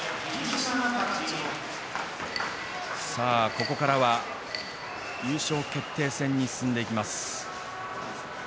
ここからは優勝決定戦に進んでいきます。